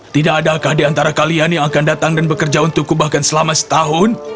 tidak adakah di antara kalian yang akan datang dan bekerja untukku bahkan selama setahun